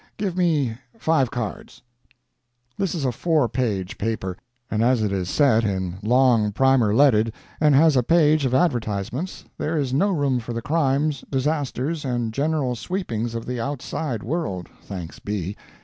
Gimme me five cards. This is a four page paper; and as it is set in long primer leaded and has a page of advertisements, there is no room for the crimes, disasters, and general sweepings of the outside world thanks be!